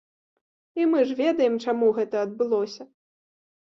І мы ж ведаем, чаму гэта адбылося.